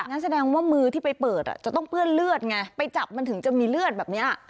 งั้นแสดงว่ามือที่ไปเปิดจะต้องเปื้อนเลือดไงไปจับมันถึงจะมีเลือดแบบนี้